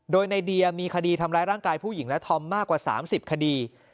โดยในเดียมีคดีทำร้ายร่างกายผู้หญิงและธอมมากกว่า๓๐คดี